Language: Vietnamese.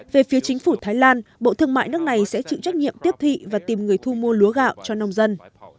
về phía chính phủ thái lan bộ thương mại nước này sẽ chịu trách nhiệm tiếp thị và tìm người thu mua lúa gạo cho nông dân